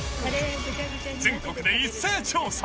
全国で一斉調査。